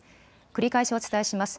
繰り返しお伝えします。